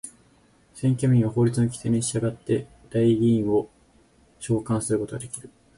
選挙民は法律の規定に従って代議員を召還することができる。